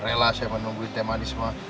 relah saya menungguin teman isma